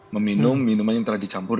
meminum minuman yang telah dicampur